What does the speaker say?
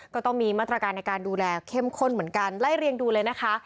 ก็ต้องมีมาตรการในการดูแลเข้มข้นเหมือนกันไล่เรียงดูเลยนะคะ